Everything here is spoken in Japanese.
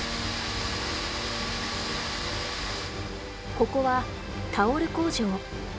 ここはタオル工場。